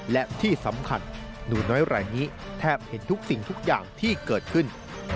และที่สำคัญหนูน้อยรายนี้แทบเห็นทุกสิ่งทุกอย่างที่เกิดขึ้น